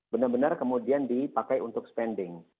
benar benar kemudian dipakai untuk spending